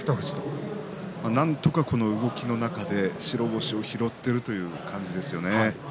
あとはこの動きの中で白星を拾っているという感じですね。